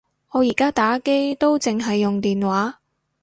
我而家打機都剩係用電話